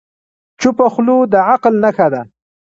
چپه خوله، د عقل نښه ده.